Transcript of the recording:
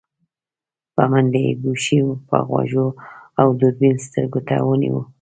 په منډه يې ګوشي په غوږو او دوربين سترګو ته ونيو.